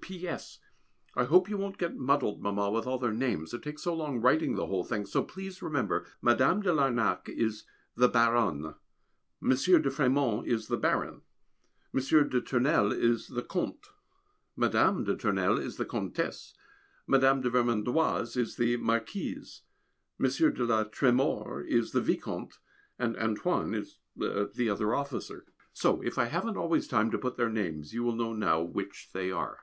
P.S. I hope you won't get muddled, Mamma, with all their names, it takes so long writing the whole thing, so please remember Mme. de Larnac is the "Baronne," Monsieur de Frémond is the "Baron," Monsieur de Tournelle is the "Comte," Mme. de Tournelle is the "Comtesse," Mme. de Vermondoise is the "Marquise," Monsieur de la Trémors is the "Vicomte," and "Antoine" is the other officer. So if I haven't always time to put their names you will know now which they are.